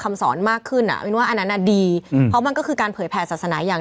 คำสอนมากขึ้นหนักเลยนะดีแล้วมันก็คือการเผยแผลศาสนาอย่าง